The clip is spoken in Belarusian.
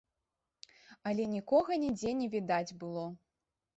Але нікога нідзе не відаць было.